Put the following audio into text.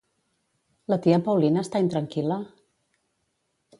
La tia Paulina està intranquil·la?